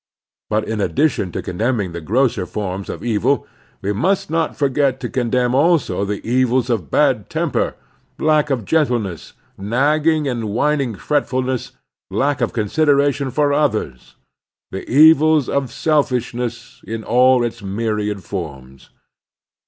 But in addition to condemning the grosser forms of evil we must not forget to con demn also the evils of bad temper, lack of gentle ness, nagging and whining fretfulness, lack of consideration for others — the evils of selfishness in all its myriad forms.